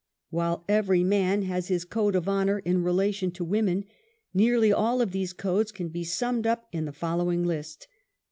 While every man has his code of honor in relation to women, nearly all of these codes can be summed up in the following list.